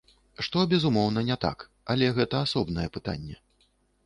Што, безумоўна, не так, але гэта асобнае пытанне.